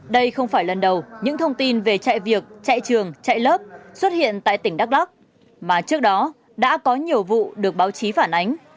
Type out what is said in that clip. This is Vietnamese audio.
đây không phải lần đầu những thông tin về chạy việc chạy trường chạy lớp xuất hiện tại tỉnh đắk lắc mà trước đó đã có nhiều vụ được báo chí phản ánh